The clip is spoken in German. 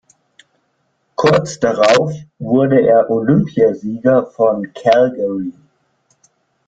Kurz darauf wurde er Olympiasieger von Calgary.